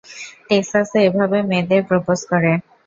টেক্সাসে এভাবেই মেয়েদের প্রোপোজ করে।